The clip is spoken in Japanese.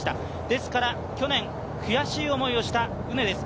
ですから、去年悔しい思いをした畝です。